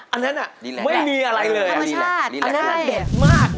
อันนั้นไม่มีอะไรเลยอันนั้นเด็ดมากดีแหละธรรมชาติ